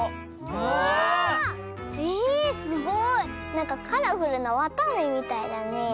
なんかカラフルなわたあめみたいだね。